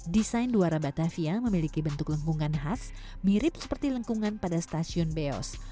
desain duara batavia memiliki bentuk lengkungan khas mirip seperti lengkungan pada stasiun beos